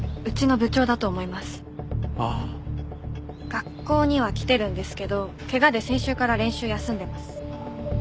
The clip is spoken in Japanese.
学校には来てるんですけど怪我で先週から練習休んでます。